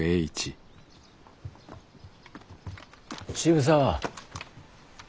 渋沢。